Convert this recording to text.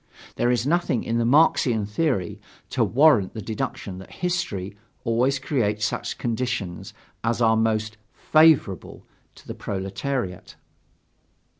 There is nothing in the Marxian theory to warrant the deduction that history always creates such conditions as are most "favorable" to the proletariat.